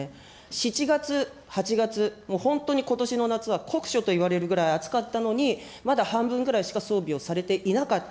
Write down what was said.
７月、８月、もう本当にことしの夏は酷暑といわれるぐらい暑かったのに、まだ半分ぐらいしか装備をされていなかった。